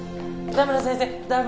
田村先生！